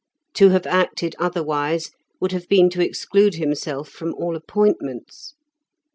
To have acted otherwise would have been to exclude himself from all appointments.